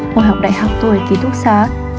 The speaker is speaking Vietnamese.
hồi học đại học tôi ký túc sáng